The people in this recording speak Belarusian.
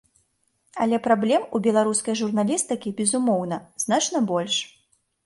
Але праблем у беларускай журналістыкі, безумоўна, значна больш.